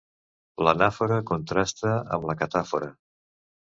L'anàfora contrasta amb la catàfora.